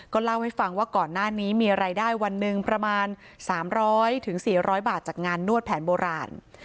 ก็เล่าให้ฟังว่าก่อนหน้านี้มีรายได้วันหนึ่งประมาณสามร้อยถึงสี่ร้อยบาทจากงานนวดแผนโบราณ